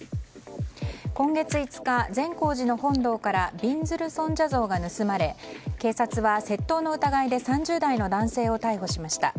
今月５日、善光寺の本堂からびんずる尊者像が盗まれ警察は窃盗の疑いで３０代の男性を逮捕しました。